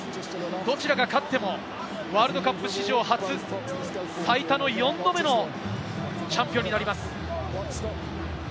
どちらが勝っても、ワールドカップ史上初、最多の４度目のチャンピオンになります。